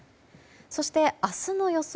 そして明日の予想